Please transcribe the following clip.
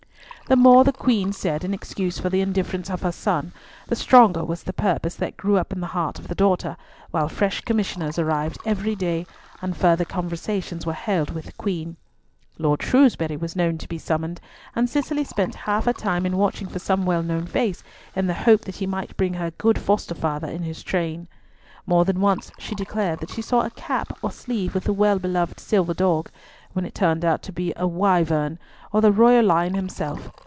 The more the Queen said in excuse for the indifference of her son, the stronger was the purpose that grew up in the heart of the daughter, while fresh commissioners arrived every day, and further conversations were held with the Queen. Lord Shrewsbury was known to be summoned, and Cicely spent half her time in watching for some well known face, in the hope that he might bring her good foster father in his train. More than once she declared that she saw a cap or sleeve with the well beloved silver dog, when it turned out to be a wyvern or the royal lion himself.